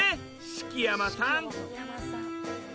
敷山さん。